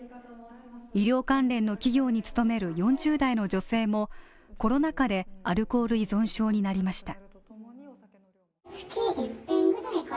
医療関連の企業に勤める４０代の女性もコロナ禍でアルコール依存症になりました。